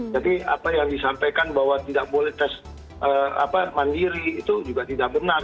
jadi apa yang disampaikan bahwa tidak boleh tes mandiri itu juga tidak benar